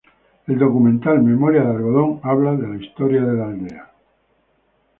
El documental "Memoria de algodón" habla de la historia de la aldea.